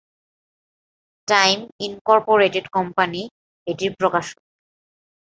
Time Incorporated company এটির প্রকাশক।